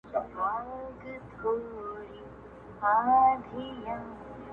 سترګي خلاصې کړه څه مه وایه په زوره